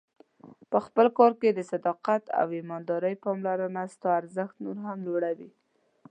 په خپل کار کې د صداقت او ایماندارۍ پاملرنه ستا ارزښت نور هم لوړوي.